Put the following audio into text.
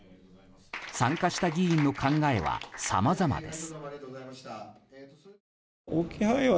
参加した議員の考えはさまざまです。